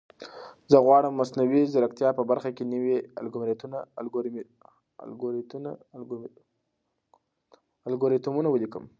زه غواړم د مصنوعي ځیرکتیا په برخه کې نوي الګوریتمونه ولیکم.